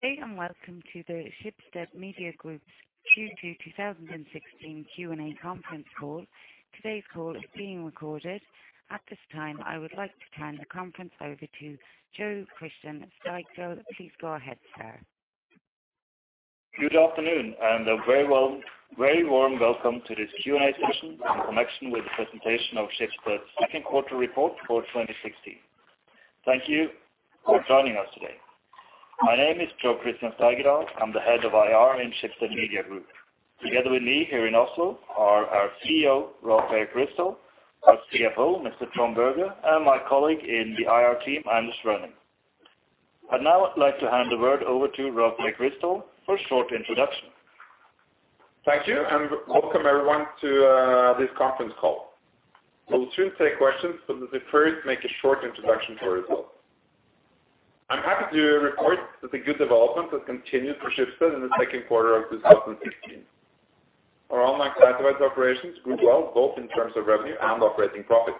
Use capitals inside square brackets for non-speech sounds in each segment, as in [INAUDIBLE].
Good day, welcome to the Schibsted Media Group Q2 2016 Q&A Conference Call. Today's call is being recorded. At this time, I would like to turn the conference over to Jo Christian Steigedal. Please go ahead, sir. Good afternoon, a very warm welcome to this Q&A session in connection with the presentation of Schibsted's second quarter report for 2016. Thank you for joining us today. My name is Jo Christian Steigedal. I'm the Head of IR in Schibsted Media Group. Together with me here in Oslo are our CEO, Rolv Erik Ryssdal, our CFO, Mr. Trond Berger, and my colleague in the IR team, Anders Rønning. Now I'd like to hand the word over to Rolv Erik Ryssdal for a short introduction. Thank you, welcome everyone to this conference call. We'll soon take questions, let me first make a short introduction for results. I'm happy to report that the good development has continued for Schibsted in the second quarter of 2016. Our online classified operations grew well, both in terms of revenue and operating profit.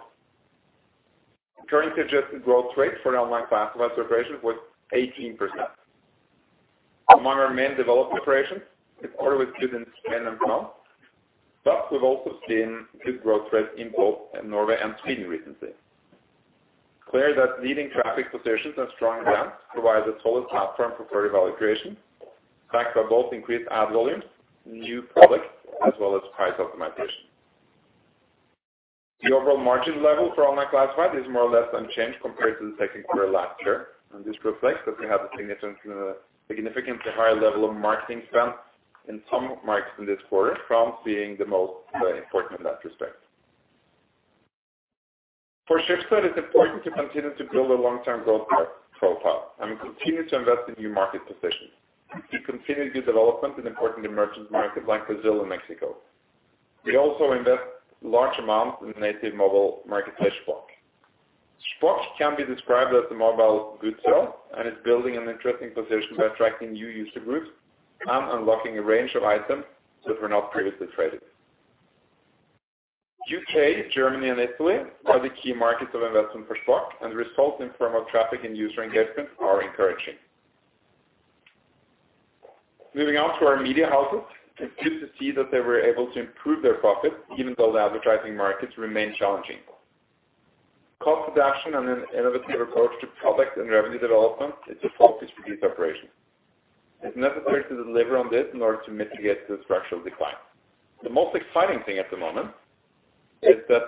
Currency-adjusted growth rate for online classified operations was 18%. Among our main developed operations, it's always good in Spain and France, we've also seen good growth rates in both Norway and Sweden recently. It's clear that leading traffic positions and strong brands provide a solid platform for value creation, backed by both increased ad volumes, new products, as well as price optimization. The overall margin level for online classified is more or less unchanged compared to the second quarter of last year. This reflects that we have a significantly higher level of marketing spend in some markets in this quarter, France being the most important in that respect. For Schibsted, it's important to continue to build a long-term growth profile. We continue to invest in new market positions. We continue good development in important emerging markets like Brazil and Mexico. We also invest large amounts in the native mobile marketplace, Shpock. Shpock can be described as the mobile Gumtree. It's building an interesting position by attracting new user groups and unlocking a range of items that were not previously traded. U.K., Germany, and Italy are the key markets of investment for Shpock. The results in form of traffic and user engagement are encouraging. Moving on to our media houses, it's good to see that they were able to improve their profit even though the advertising markets remain challenging. Cost reduction and an innovative approach to product and revenue development is a focus for these operations. It's necessary to deliver on this in order to mitigate the structural decline. The most exciting thing at the moment is that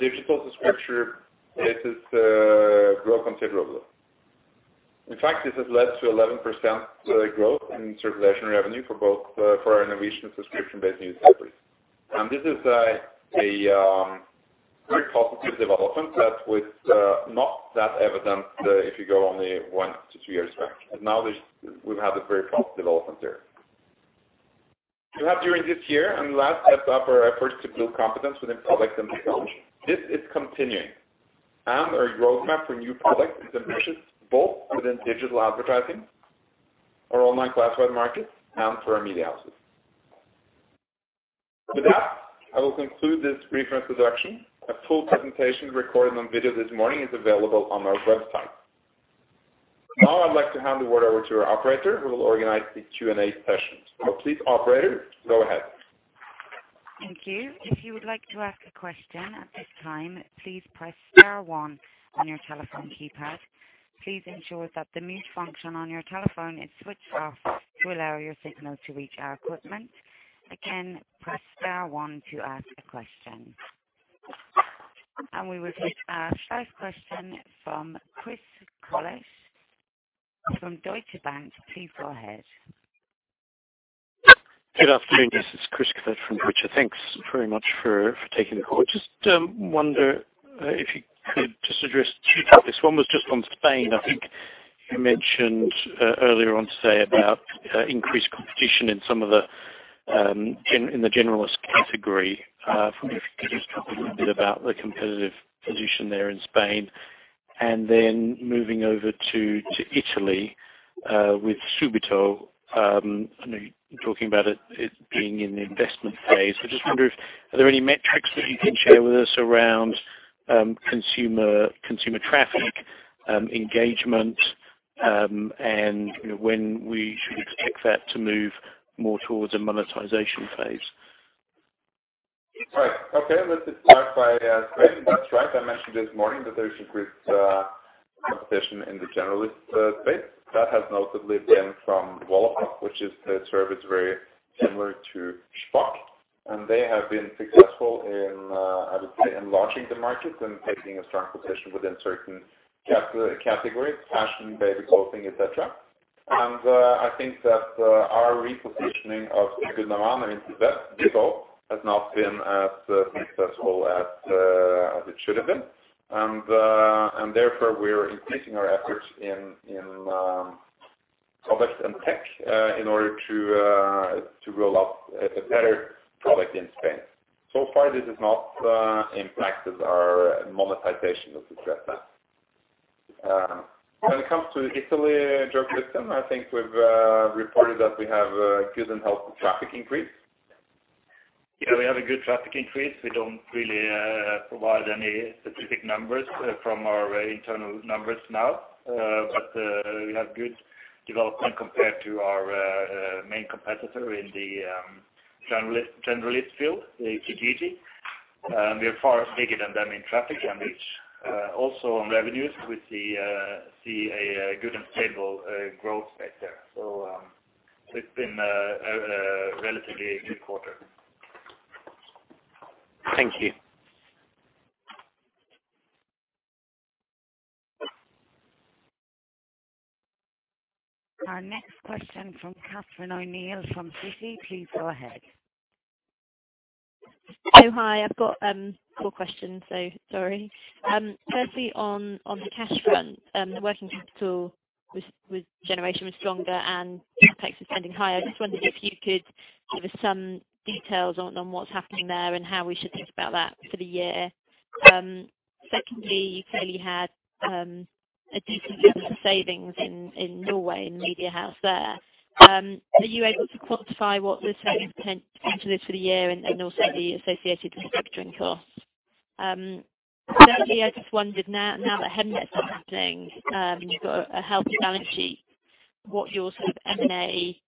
digital subscription bases grow considerably. In fact, this has led to 11% growth in circulation revenue for both, for our innovation subscription-based news offerings. This is a very positive development that with not that evident, if you go only one to two years back. Now we've had a very fast development there. Throughout during this year and last, we stepped up our efforts to build competence within product and technology. This is continuing, our roadmap for new products is ambitious, both within digital advertising, our online classified markets, and for our media houses. With that, I will conclude this brief introduction. A full presentation recorded on video this morning is available on our website. I'd like to hand the word over to our operator, who will organize the Q&A session. Please, operator, go ahead. Thank you. If you would like to ask a question at this time, please press star one on your telephone keypad. Please ensure that the mute function on your telephone is switched off to allow your signal to reach our equipment. Again, press star one to ask a question. We will take our first question from Chris Collett from Deutsche Bank. Please go ahead. Good afternoon. This is Chris Collett from Deutsche. Thanks very much for taking the call. Just wonder if you could just address two topics. One was just on Spain. I think you mentioned earlier on today about increased competition in some of the, in the generalist category. If you could just talk a little bit about the competitive position there in Spain. And then moving over to Italy, with Subito, I know you're talking about it being in the investment phase. So just wonder if are there any metrics that you can share with us around consumer traffic, engagement, and, you know, when we should expect that to move more towards a monetization phase? Right. Okay. Let's just start by Spain. That's right. I mentioned this morning that there's increased competition in the generalist space. That has notably been from Wallapop, which is a service very similar to Shpock, they have been successful in, I would say, enlarging the market and taking a strong position within certain categories: fashion, baby clothing, et cetera. I think that our repositioning of Segunda Mano into [INAUDIBLE] has not been as successful as it should have been. Therefore, we're increasing our efforts in product and tech in order to roll out a better product in Spain. So far, this has not impacted our monetization of the service. When it comes to Italy, Jo Christian, I think we've reported that we have a good and healthy traffic increase. We have a good traffic increase. We don't really provide any specific numbers from our internal numbers now. We have good development compared to our main competitor in the generalist field, the TT. We are far bigger than them in traffic and reach, also on revenues. We see a good and stable growth rate there. It's been a relatively good quarter. Thank you. Our next question from Catherine O'Neill from Citi, please go ahead. Hi. I've got four questions, so sorry. Firstly on the cash front, the working capital generation was stronger and CapEx is spending higher. I just wondered if you could give us some details on what's happening there and how we should think about that for the year. Secondly, you clearly had a decent set of savings in Norway, in media house there. Are you able to quantify what the savings potential is for the year and also the associated restructuring costs? Thirdly, I just wondered now that Hemnet's happening, you've got a healthy balance sheet, what your sort of M&A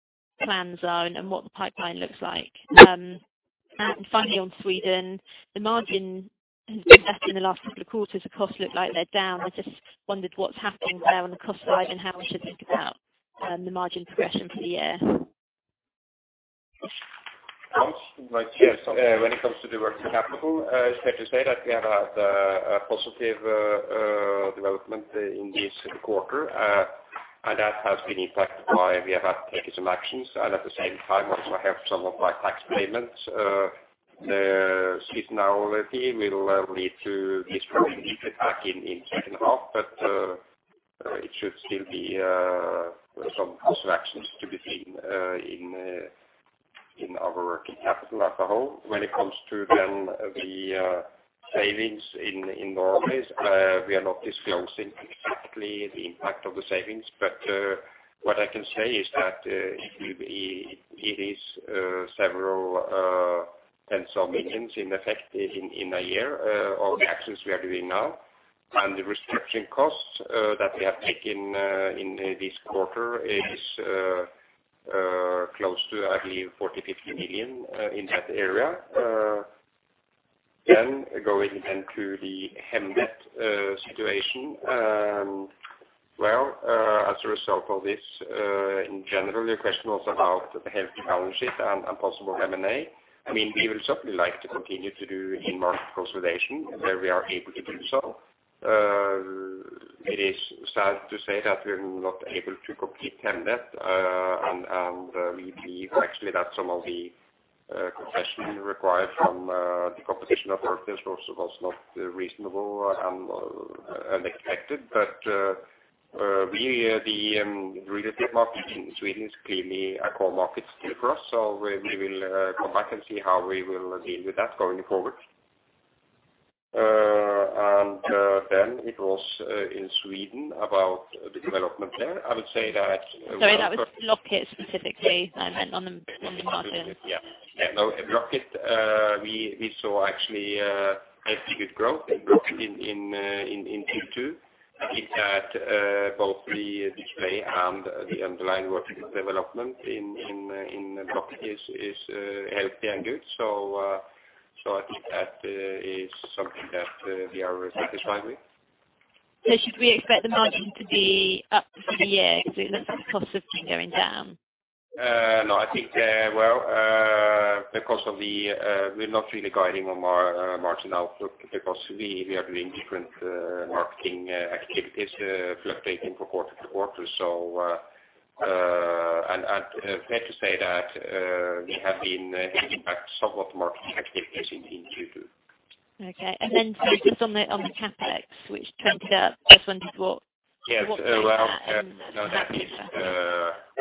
plans are and what the pipeline looks like. Finally on Sweden, the margin has been better in the last couple of quarters. The costs look like they're down. I just wondered what's happening there on the cost side and how we should think about the margin progression for the year. Hans, would you like to say something? Yes. When it comes to the working capital, it's fair to say that we have had a positive development in this quarter. That has been impacted by we have taken some actions and at the same time also have some of our tax payments. The seasonality will lead to this probably impact in second half, but it should still be some cost actions to be seen in our working capital as a whole. When it comes to then the savings in Norway, we are not disclosing exactly the impact of the savings. What I can say is that it is several tens of millions in effect in a year of the actions we are doing now. The restructuring costs that we have taken in this quarter is close to, I believe, 40-50 million in that area. Going then to the Hemnet situation. Well, as a result of this, in general, your question was about the healthy balance sheet and possible M&A. I mean, we will certainly like to continue to do in-market consolidation where we are able to do so. It is sad to say that we're not able to complete Hemnet. And we believe actually that some of the concession required from the competition authorities was not reasonable and expected. The real estate market in Sweden is clearly a core market still for us, so we will come back and see how we will deal with that going forward. Then it was in Sweden about the development there. I would say that Sorry, that was Blocket specifically, I meant on the margin. Yeah. No, Blocket, we saw actually a pretty good growth in Q2. I think that both the display and the underlying vertical development in Blocket is healthy and good. I think that is something that we are satisfied with. Should we expect the margin to be up for the year because it looks like the costs have been going down? No, I think, well, because of the, we're not really guiding on margin outlook because we are doing different, marketing, activities, fluctuating from quarter to quarter. And fair to say that, we have been hitting back somewhat marketing activities in Q2. Okay. Then just on the CapEx, which turned it up. Yes. what made that and No, that is,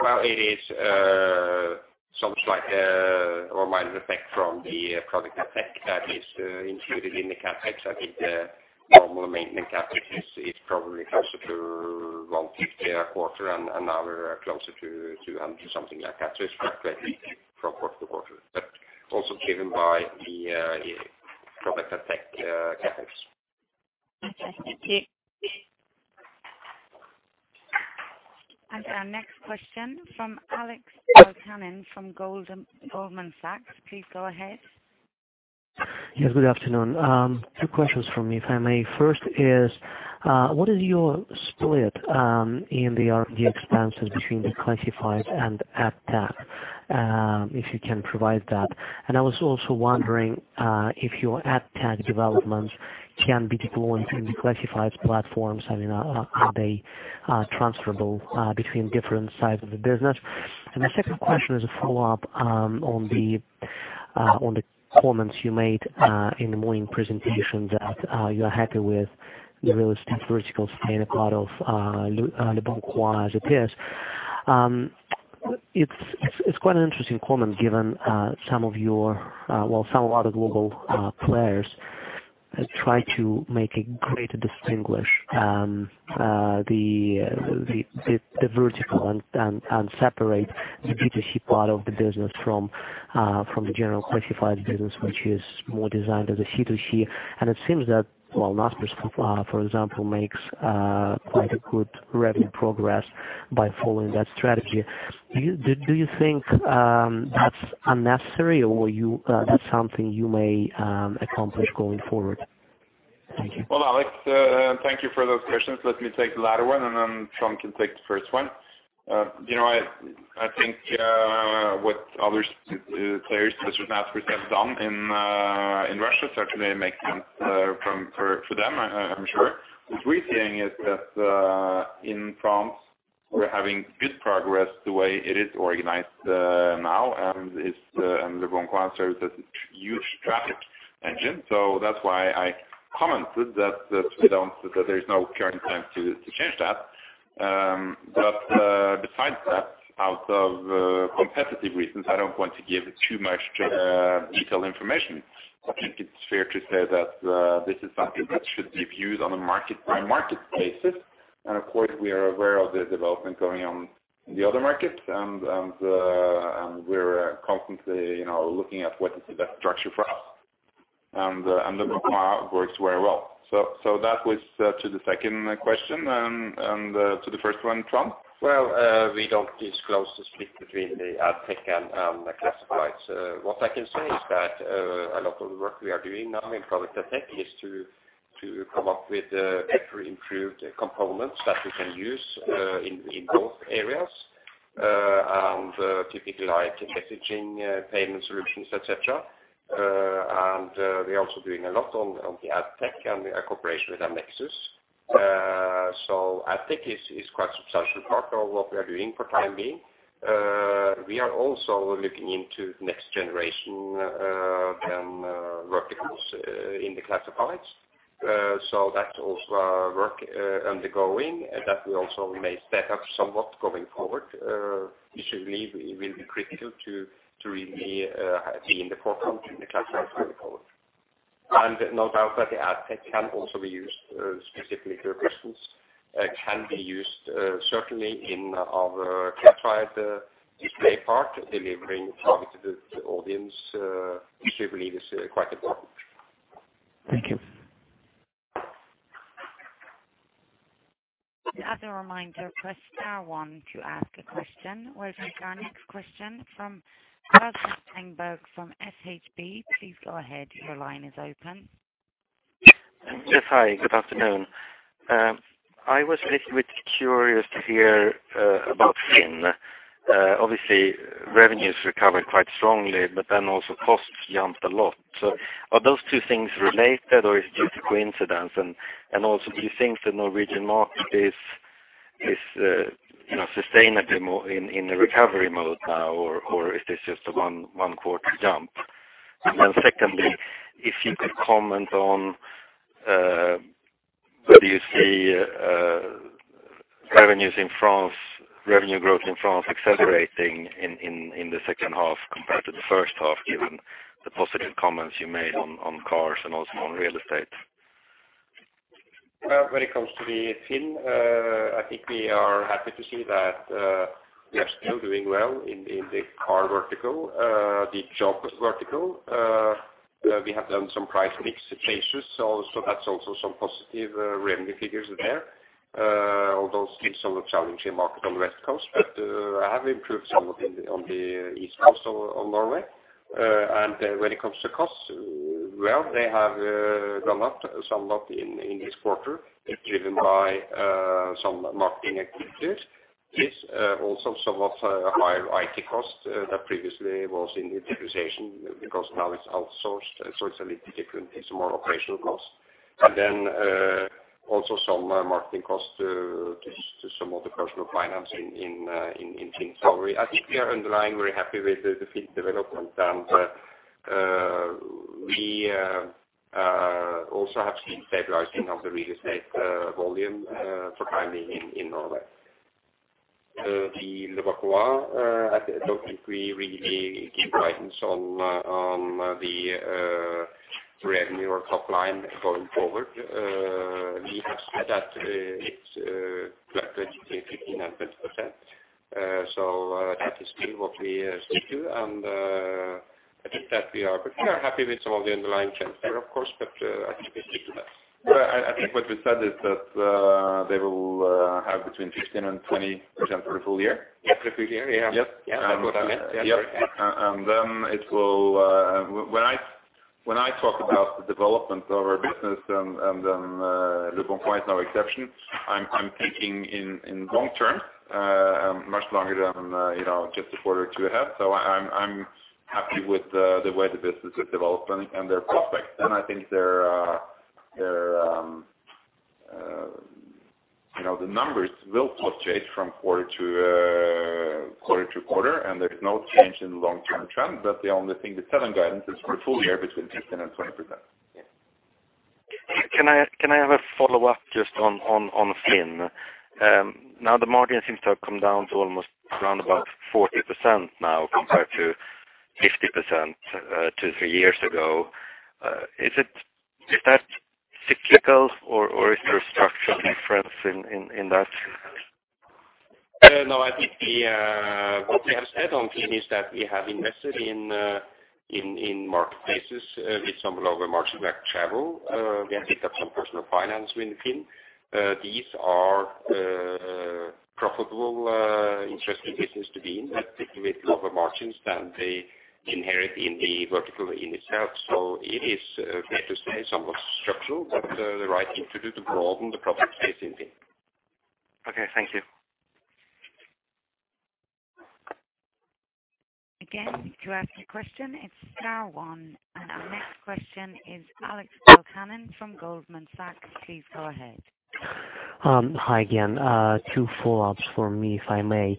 well, it is sounds like a minor effect from the product effect that is included in the CapEx. I think the normal maintenance CapEx is probably closer to 150 a quarter and now we're closer to 200, something like that. It's fluctuating from quarter to quarter, but also driven by the product CapEx. Okay. Thank you. Our next question from Alex [INAUDIBLE] from Goldman Sachs. Please go ahead. Yes, good afternoon. Two questions from me, if I may. First is, what is your split in the R&D expenses between the classifieds and ad tech, if you can provide that? I was also wondering if your ad tech developments can be deployed in the classifieds platforms. I mean, are they transferable between different sides of the business? The second question is a follow-up on the comments you made in the morning presentation that you are happy with the real estate vertical staying a part of Leboncoin as it is. It's quite an interesting comment given some of your, well, some of other global players try to make a great distinguish the vertical and separate the B2C part of the business from the general classified business, which is more designed as a C2C. It seems that, well, Naspers, for example, makes quite a good revenue progress by following that strategy. Do you think that's unnecessary or that's something you may accomplish going forward? Thank you. Well, Alex, thank you for those questions. Let me take the latter one, and then Trond can take the first one. you know, I think what other players such as Naspers have done in Russia certainly makes sense for them, I'm sure. What we're seeing is that in France, we're having good progress the way it is organized now, and it's and Leboncoin serves as a huge traffic engine. That's why I commented that there is no current plan to change that. Besides that, out of competitive reasons, I don't want to give too much detailed information. I think it's fair to say that this is something that should be viewed on a market by market basis. Of course, we are aware of the development going on in the other markets and we're constantly, you know, looking at what is the best structure for us. Leboncoin works very well. That was to the second question and to the first one, Trond. Well, we don't disclose the split between the ad tech and the classifieds. What I can say is that a lot of the work we are doing now in product ad tech is to come up with better improved components that we can use in both areas, and typically like messaging, payment solutions, et cetera. We're also doing a lot on the ad tech and our cooperation with AppNexus. Ad tech is quite a substantial part of what we are doing for time being. We are also looking into next generation verticals in the classifieds. That's also a work undergoing that we also may step up somewhat going forward. Which we believe will be critical to really be in the forefront in the classified vertical. And no doubt that the ad tech can also be used specifically to your questions, can be used certainly in our classified display part, delivering targeted audience, which we believe is quite important. Thank you. As a reminder, press star one to ask a question. We'll take our next question from Carl Tengberg from SHB. Please go ahead. Your line is open. Yes. Hi, good afternoon. I was a little bit curious to hear about FINN. Obviously revenue has recovered quite strongly, but then also costs jumped a lot. Are those two things related or is it just a coincidence? Also, do you think the Norwegian market is, you know, sustainably in a recovery mode now, or is this just a one quarter jump? Secondly, if you could comment on whether you see revenue growth in France accelerating in the second half compared to the first half, given the positive comments you made on cars and also on real estate? Well, when it comes to the FINN, I think we are happy to see that we are still doing well in the car vertical, the job vertical. We have done some price mix changes, so that's also some positive revenue figures there. Although still some challenging market on the West Coast, but have improved somewhat on the East Coast of Norway. When it comes to costs, well, they have gone up somewhat in this quarter, driven by some marketing activities. Yes, also somewhat higher IT costs that previously was in the depreciation because now it's outsourced, so it's a little different. It's more operational costs. Also some marketing costs to some of the personal finance in FINN. I think we are underlying very happy with the FINN development. We also have seen stabilizing of the real estate volume for timing in Norway. Leboncoin, I don't think we really give guidance on the revenue or top line going forward. We have said that it's between 15% and 20%. That is still what we stick to. I think that we are happy with some of the underlying trends there, of course, but I think we stick to that. I think what we said is that they will have between 15% and 20% for the full year. Yes, for full year. Yeah. Yes. Yeah, that's what I meant. Yeah. Yep. It will. When I talk about the development of our business, and Leboncoin is no exception, I'm thinking in long term, much longer than, you know, just a quarter or two ahead. I'm happy with the way the business is developing and their prospects. I think their, you know, the numbers will fluctuate from quarter to quarter, and there's no change in long-term trend. The only thing we're telling guidance is for full year between 15 and 20%. Yes. Can I have a follow-up just on FINN? Now the margin seems to have come down to almost around about 40% now compared to 50%, two, three years ago. Is that cyclical or is there a structural difference in that? No, I think the what we have said on FINN is that we have invested in in marketplaces with some lower margin like travel. We have picked up some personal finance within. These are profitable, interesting business to be in, but with lower margins than they inherit in the vertical in itself. It is to some extent somewhat structural, but the right thing to do to broaden the profit base in FINN.no. Okay, thank you. Again, to ask a question, it's star one. Our next question is Alex [INAUDIBLE] from Goldman Sachs. Please go ahead. Hi again. Two follow-ups for me, if I may.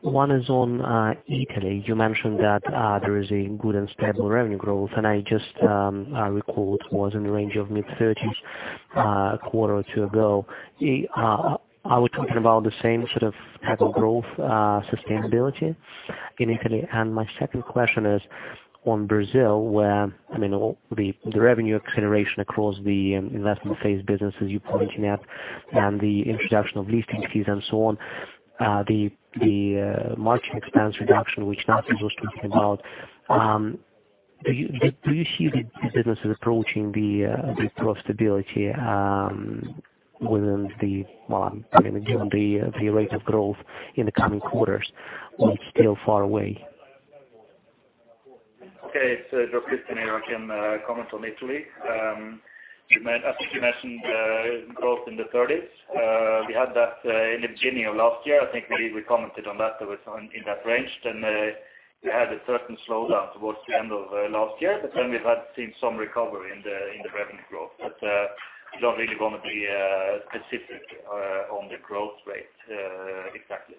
One is on Italy. You mentioned that there is a good and stable revenue growth, I recall it was in the range of mid-30s, a quarter or two ago. Are we talking about the same sort of type of growth sustainability in Italy? My second question is on Brazil, where, I mean, all the revenue acceleration across the investment phase businesses you're pointing at and the introduction of leasing fees and so on, the margin expense reduction, which Nansen was talking about, do you see the businesses approaching the profitability within the, well, I mean, given the rate of growth in the coming quarters or it's still far away? Okay. It's Jo Christian here. I can comment on Italy. I think you mentioned growth in the 30s. We had that in the beginning of last year. I think we commented on that it was on in that range. We had a certain slowdown towards the end of last year, but then we've had seen some recovery in the revenue growth. Don't really wanna be specific on the growth rate exactly.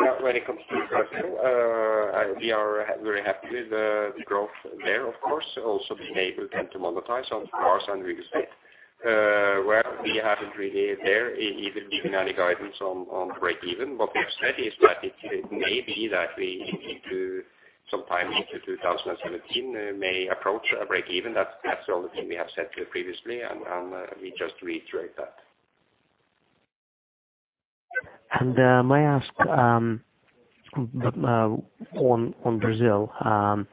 Yeah. When it comes to Brazil, we are very happy with the growth there, of course, also being able then to monetize on house and real estate. Where we haven't really there given any guidance on breakeven. What we have said is that it may be that we, into some time into 2017 may approach a breakeven. That's all the thing we have said here previously, and we just reiterate that. May I ask on Brazil, I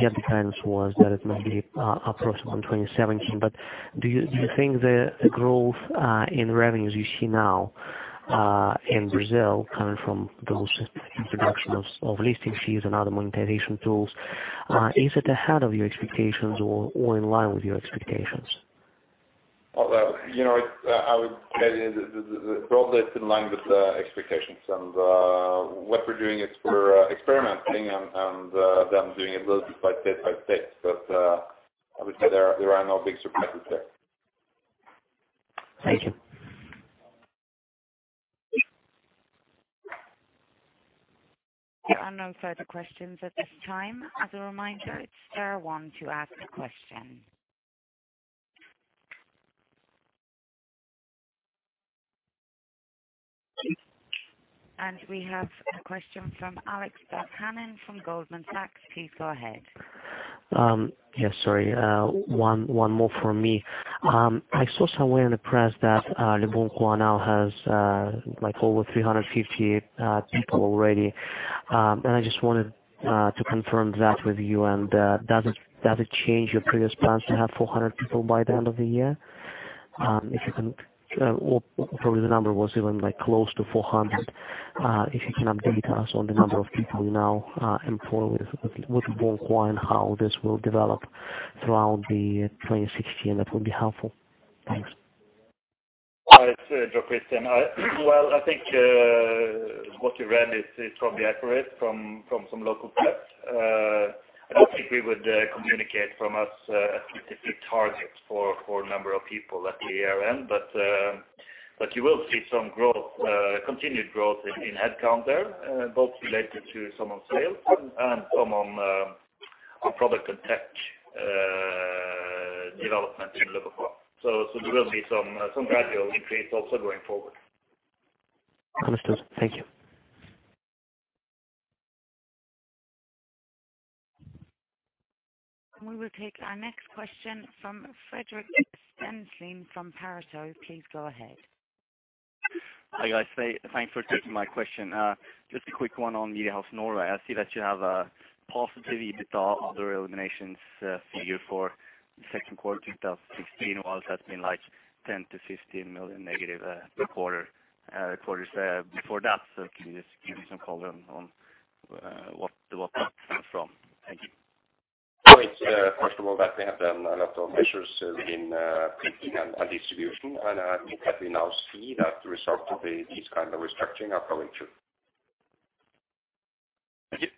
get the sense was that it may be approximate in 2017, do you think the growth in revenues you see now in Brazil coming from those introduction of listing fees and other monetization tools, is it ahead of your expectations or in line with your expectations? Well, you know, it's, I would say the growth is in line with the expectations. What we're doing is we're experimenting and then doing it little by bit by bit. I would say there are no big surprises there. Thank you. There are no further questions at this time. As a reminder, it's star one to ask a question. We have a question from Alex [INAUDIBLE] from Goldman Sachs. Please go ahead. Yeah, sorry. One more from me. I saw somewhere in the press that Leboncoin now has like over 350 people already. I just wanted to confirm that with you. Does it change your previous plans to have 400 people by the end of the year? If you can, or probably the number was even like close to 400. If you can update us on the number of people you now employ with Leboncoin and how this will develop throughout 2016, that would be helpful. Thanks. It's Jo Christian. Well, I think what you read is probably accurate from some local press. I don't think we would communicate from us a specific target for number of people at the year-end. You will see some growth, continued growth in headcount there, both related to some on sales and some on product and tech development in Leboncoin. There will be some gradual increase also going forward. Understood. Thank you. We will take our next question from Frederick [INAUDIBLE] from Pareto. Please go ahead. Hi, guys. Thanks for taking my question. Just a quick one on media house Norway. I see that you have a positive EBITDA other eliminations figure for second quarter 2016, while that's been like 10 million-15 million negative per quarter, quarters before that. Can you just give me some color on what that comes from? Thank you. It's first of all, that we have done a lot of measures in printing and distribution. I think that we now see that the result of these kind of restructuring are going through. Thank you.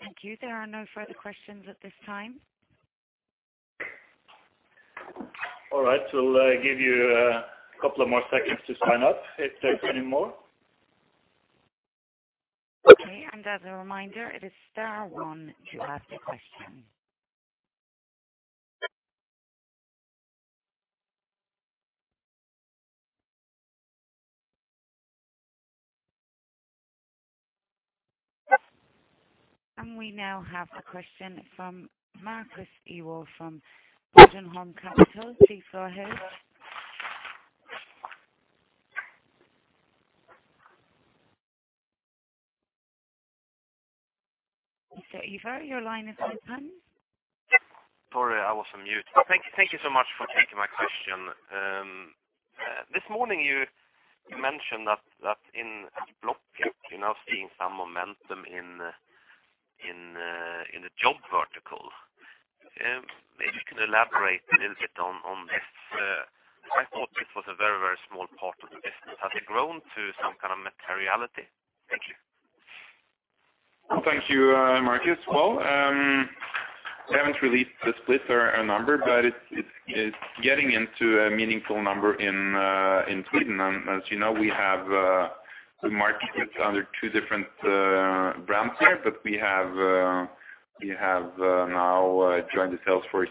Thank you. There are no further questions at this time. All right. We'll give you a couple of more seconds to sign up if there's any more. Okay. As a reminder, it is star one to ask a question. We now have a question from Marcus Ivor from Berenberg Capital. Please go ahead. Mr. Ivor, your line is open. Sorry, I was on mute. Thank you so much for taking my question. This morning you mentioned that in Blocket you're now seeing some momentum in the job vertical. Maybe you can elaborate a little bit on this. I thought it was a very small part of the business. Has it grown to some kind of materiality? Thank you. Thank you, Marcus. Well, we haven't released the split or a number, but it's getting into a meaningful number in Sweden. As you know, we have, we market with under two different brands there. We have, we have now joined the sales force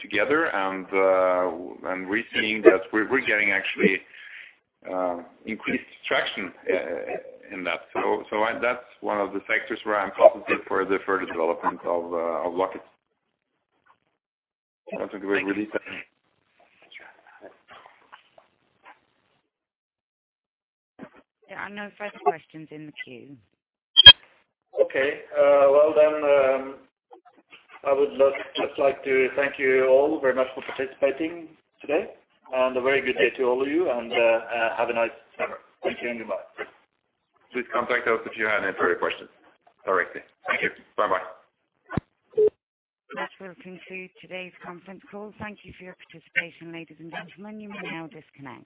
together. We're seeing that we're getting actually increased traction in that. I that's one of the sectors where I'm positive for the further development of Blocket. Thank you. That's a good release. There are no further questions in the queue. Okay. I just like to thank you all very much for participating today. A very good day to all of you and, have a nice summer. Thank you and goodbye. Please contact us if you haven't had your question directly. Thank you. Bye-bye. That will conclude today's conference call. Thank you for your participation, ladies and gentlemen. You may now disconnect.